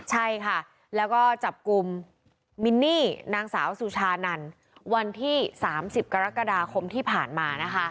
ใช่ค่ะแล้วก็จับกลุ่มมินนี่นางสาวสุชานันวันที่๓๐กรกฎาคมที่ผ่านมานะคะ